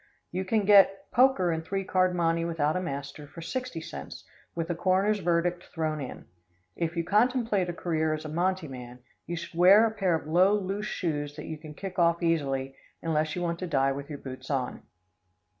You can get "Poker and Three Card Monte without a Master" for sixty cents, with a coroner's verdict thrown in. If you contemplate a career as a monte man, you should wear a pair of low, loose shoes that you can kick off easily, unless you want to die with your boots on.